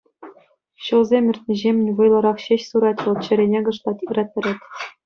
Ҫулсем иртнӗҫемӗн вӑйлӑрах ҫеҫ сурать вӑл, чӗрене кӑшлать, ыраттарать.